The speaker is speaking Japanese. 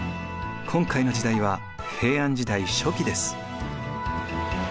今回の時代は平安時代初期です。